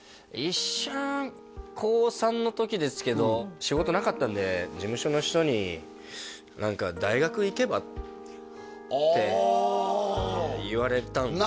一瞬高３の時ですけど仕事なかったんで事務所の人にって言われたんですよ